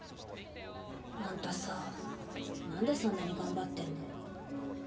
あんたさなんでそんなに頑張ってんの？